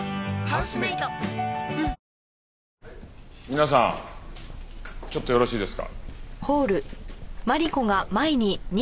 皆さんちょっとよろしいですか？